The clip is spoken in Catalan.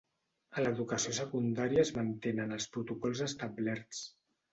A l’educació secundària es mantenen els protocols establerts.